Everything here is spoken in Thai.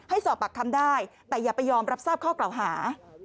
สอบปากคำได้แต่อย่าไปยอมรับทราบข้อกล่าวหา